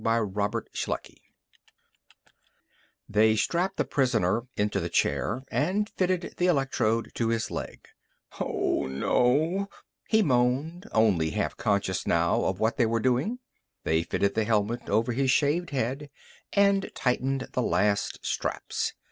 They strapped the prisoner into the chair and fitted the electrode to his leg. "Oh, oh," he moaned, only half conscious now of what they were doing. They fitted the helmet over his shaved head and tightened the last straps.